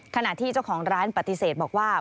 ขณะที่เจ้าของร้านปฏิเสธบอกว่า